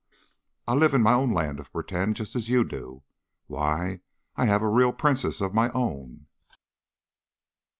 "I live in my own land of 'pretend,' just as you do. Why, I have a real princess of my own."